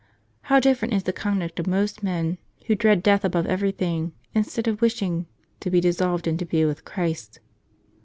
How different is the conduct of most men, who dread death above everything, instead of wishing "to be dissolved, and to be with Christ"!